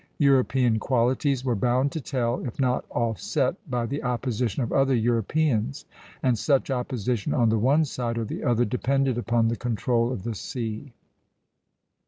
European qualities were bound to tell, if not offset by the opposition of other Europeans; and such opposition on the one side or the other depended upon the control of the sea.